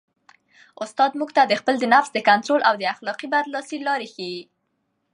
استاد موږ ته د خپل نفس د کنټرول او د اخلاقي برلاسۍ لارې ښيي.